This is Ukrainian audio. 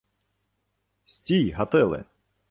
— Стій, Гатиле!